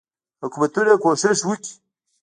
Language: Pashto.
حکومتونه کوښښ وکړي.